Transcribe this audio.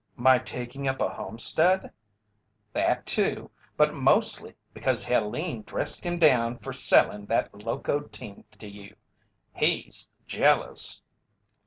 "My taking up a homestead " "That, too, but mostly because Helene dressed him down for sellin' that locoed team to you. He's jealous."